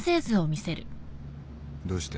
どうして？